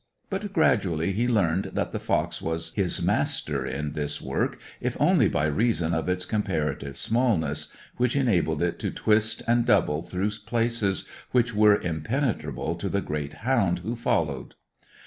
But gradually he learned that the fox was his master in this work, if only by reason of its comparative smallness, which enabled it to twist and double through places which were impenetrable to the great hound who followed.